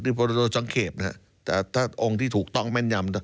ที่โปรโดโชงเขพนะแต่ถ้าองค์ที่ถูกต้องแม่นยำ